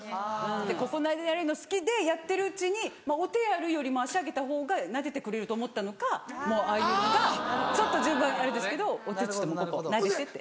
ここなでられるの好きでやってるうちにお手やるよりも足上げたほうがなでてくれると思ったのかもうああいうのがちょっと順番あれですけどお手っつっても「ここなでて」って。